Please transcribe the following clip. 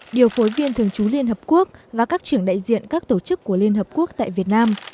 điều phối viên thường trú liên hợp quốc và các trưởng đại diện các tổ chức của liên hợp quốc tại việt nam